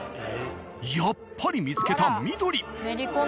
やっぱり見つけた緑！